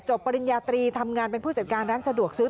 ปริญญาตรีทำงานเป็นผู้จัดการร้านสะดวกซื้อ